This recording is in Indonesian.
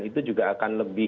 itu juga akan lebih